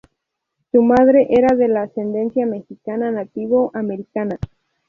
Su madre era de ascendencia Mexicana-Nativo Americana.